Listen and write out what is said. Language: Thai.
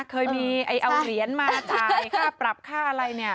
เคยมีเอาเหรียญมาจ่ายค่าปรับค่าอะไรเนี่ย